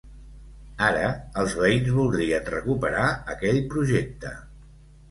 Ara els veïns voldrien recuperar aquell projecte.